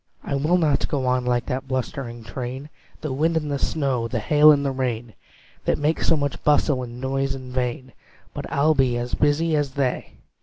I will not go on like that blustering train, The wind and the snow, the hail and the rain, That make so much bustle and noise in vain, But I'll be as busy as they!"